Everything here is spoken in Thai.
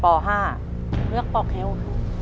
เลือกปอกแห้วครับ